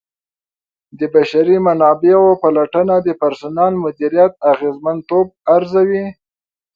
د بشري منابعو پلټنه د پرسونل مدیریت اغیزمنتوب ارزوي.